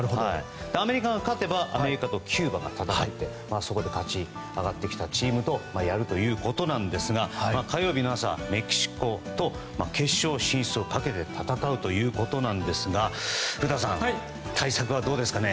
アメリカが勝てばアメリカとキューバが戦ってそこで勝ち上がってきたチームとやるということなんですが火曜日の朝メキシコと決勝進出をかけて戦うということですが古田さん、対策はどうですかね。